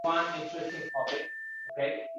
Ishondim. aniq —